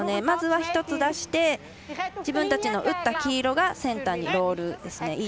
まずは一つ出して自分たちの打った黄色がセンターにロールですね。